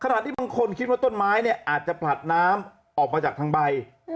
ที่บางคนคิดว่าต้นไม้เนี่ยอาจจะผลัดน้ำออกมาจากทางใบ